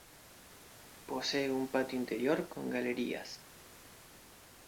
Posee un patio interior con galerías.